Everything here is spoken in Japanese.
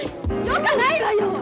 よかないわよ！